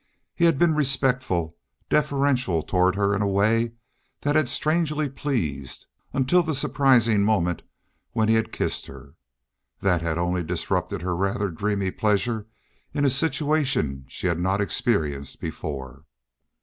He had been respectful, deferential toward her, in a way that had strangely pleased, until the surprising moment when he had kissed her. That had only disrupted her rather dreamy pleasure in a situation she had not experienced before.